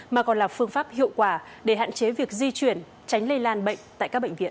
mà còn là phương pháp hiệu quả để hạn chế việc di chuyển tránh lây lan bệnh tại các bệnh viện